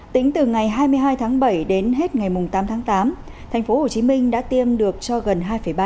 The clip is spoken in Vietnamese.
tính từ ngày hai mươi hai tháng bảy đến hết ngày tám tháng tám tp hcm đã tiêm được cho gần hai ba